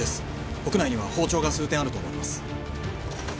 屋内には包丁が数点あると思われます。